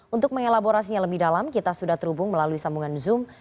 untuk mengelaborasinya lebih dalam kita sudah terhubung melalui sambungan zoom